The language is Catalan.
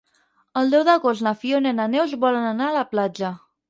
El deu d'agost na Fiona i na Neus volen anar a la platja.